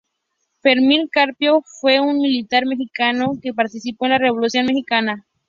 Fermín Carpio fue un militar mexicano que participó en la Revolución mexicana.